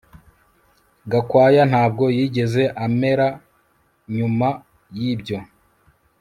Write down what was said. Gakwaya ntabwo yigeze amera nyuma yibyo